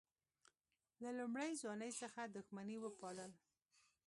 له لومړۍ ځوانۍ څخه دښمني وپالل.